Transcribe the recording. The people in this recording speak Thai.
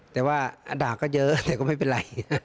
แต่ว่าด่าก็เยอะแต่ก็ไม่เป็นไร